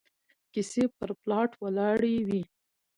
کيسې پر پلاټ ولاړې وي